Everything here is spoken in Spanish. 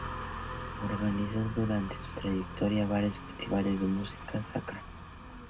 Organizó durante su trayectoria varios Festivales de Música Sacra.